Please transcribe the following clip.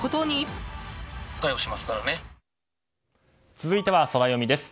続いてはソラよみです。